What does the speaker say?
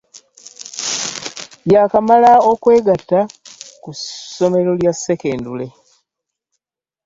Yakamala okwegatta kusomero lyasekendule .